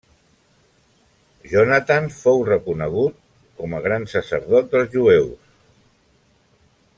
Jonatan fou reconegut com a gran sacerdot dels jueus.